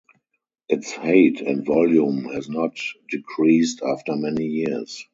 Its height and volume has not decreased after many years.